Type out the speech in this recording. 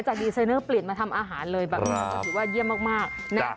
จากดีเซนเนอร์เปลี่ยนมาทำอาหารเลยคือว่าเยี่ยมมาก